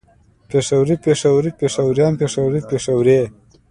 پېښوری پېښوري پېښوريان پېښورۍ پېښورې